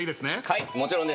はいもちろんです。